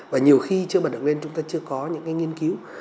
và nhiều khi chưa bật được lên chúng ta chưa có những nghiên cứu